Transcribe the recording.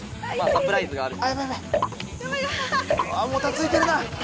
サプライズがある。